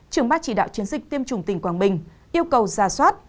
trưởng ban chỉ đạo chiến dịch tiêm chủng tỉnh quảng bình yêu cầu giả soát